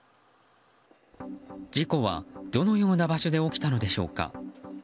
事故は、どのような場所で起きたのでしょうか。